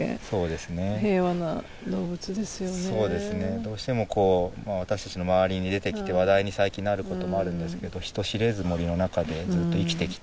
どうしてもこう私たちの周りに出てきて話題に最近なることもあるんですけど人知れず森の中でずっと生きてきた。